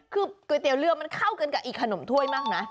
คือก๋วยเตี๋ยวเรือมันเข้ากันกับอีกขนมถ้วยมากนะ